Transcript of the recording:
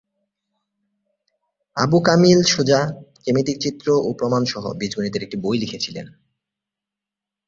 আবু কামিল সুজা জ্যামিতিক চিত্র ও প্রমাণ সহ বীজগণিতের একটি বই লিখেছিলেন।